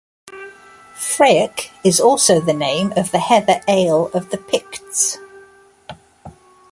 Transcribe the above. Fraoch is also the name of the heather ale of the Picts.